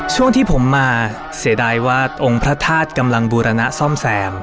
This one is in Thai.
ช่วงที่ผมมาเสียดายว่าองค์พระธาตุกำลังบูรณะซ่อมแซม